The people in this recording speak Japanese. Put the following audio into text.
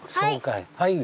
はい。